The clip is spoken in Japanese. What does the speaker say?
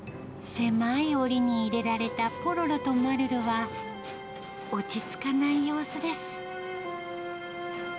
狭いおりに入れられたポロロとマルルは、落ち着かない様子です。